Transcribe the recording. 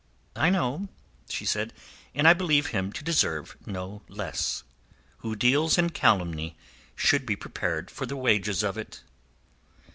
"I know," she said. "And I believe him to deserve no less. Who deals in calumny should be prepared for the wages of it."